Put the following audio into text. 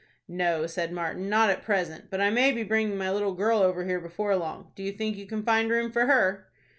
"No," said Martin, "not at present; but I may be bringing my little girl over here before long. Do you think you can find room for her?"